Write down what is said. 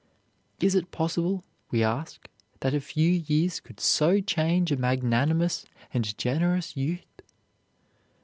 Is it possible, we ask, that a few years could so change a magnanimous and generous youth?